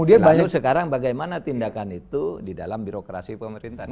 kemudian sekarang bagaimana tindakan itu di dalam birokrasi pemerintahan